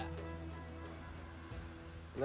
masjid tuwakayujao kini masuk sebagai cagar budaya